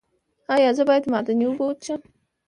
ایا زه باید معدني اوبه وڅښم؟